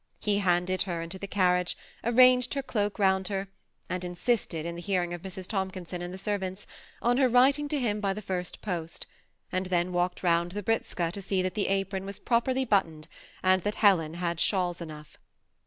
He iianded her into the carriage, arranged her doak round her, and insisted, in 'the hearing of THE} SEMl AirTACHED GOUPLB. 235 Mrs. Tomkinson and the servants, on her writing to him by the first post^and then walked round the britzska to see that the apron was properly buttoned, and that Helen had shawls enough.